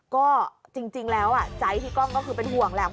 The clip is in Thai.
ก็จริงแล้วใจพี่ก้องก็คือเป็นห่วงแหละ